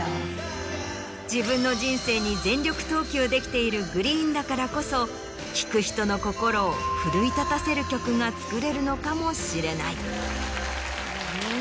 自分の人生に全力投球できているＧＲｅｅｅｅＮだからこそ聴く人の心を奮い立たせる曲が作れるのかもしれない。